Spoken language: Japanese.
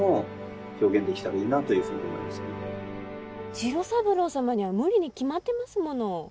次郎三郎様には無理に決まってますもの。